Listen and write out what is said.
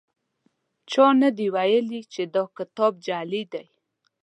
چا دا نه دي ویلي چې دا کتاب جعلي دی.